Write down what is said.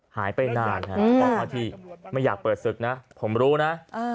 หายไปนานไม่อยากเปิดศึกนะผมรู้นะ